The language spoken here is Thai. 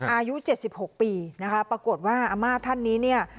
อายุเจ็ดสิบหกปีนะคะปรากฏว่าอาม่าท่านนี้เนี่ย